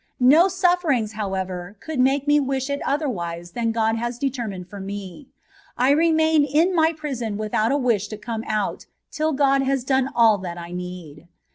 ^o sufferings, however, could make me wish it other wise than God has determined for me ; I remain in my prison without a wish to come out till God has done ali that I need.